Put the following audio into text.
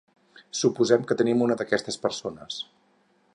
Suposem que tenim una d'aquestes persones.